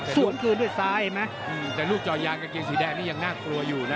ส่วนคืนด้วยซ้ายเห็นไหมแต่ลูกจอยางกางเกงสีแดงนี่ยังน่ากลัวอยู่นะ